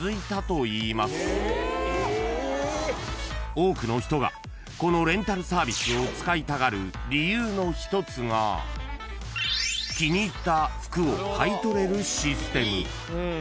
［多くの人がこのレンタルサービスを使いたがる理由のひとつが気に入った服を買い取れるシステム］